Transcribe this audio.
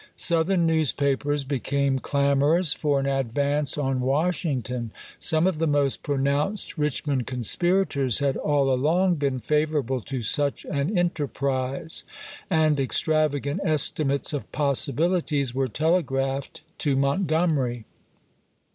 Southern newspapers became clamorous for an advance on Washington ; some of the most pronounced Rich mond conspu'ators had all along been favorable to such an enterprise ; and extravagant estimates of possibilities were telegraphed to Montgomery.